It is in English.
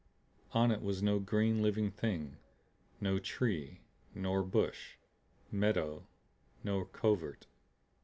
On it was no green living thing no tree nor bush, meadow nor covert.